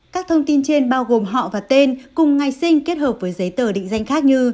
các thông tin trên bao gồm họ và tên cùng ngày sinh kết hợp với giấy tờ định danh khác như